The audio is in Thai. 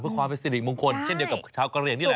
เพื่อความเป็นสิริมงคลเช่นเดียวกับชาวกะเหลี่ยงนี่แหละ